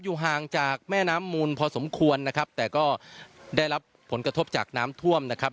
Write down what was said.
อยู่ห่างจากแม่น้ำมูลพอสมควรนะครับแต่ก็ได้รับผลกระทบจากน้ำท่วมนะครับ